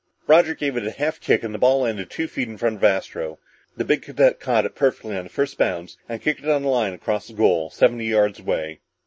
Roger gave it a half kick and the ball landed two feet in front of Astro. The big cadet caught it perfectly on the first bounce and kicked it on a line across the goal, seventy yards away.